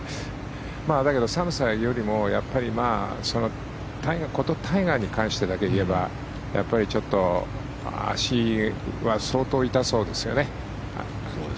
だけど寒さよりも、やっぱりタイガーに関してだけ言えばやっぱりちょっと足は相当痛そうですよね。